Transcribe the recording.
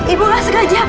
ibu gak segaja